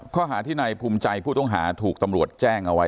ข้อหาที่นายภูมิใจผู้ต้องหาถูกตำรวจแจ้งเอาไว้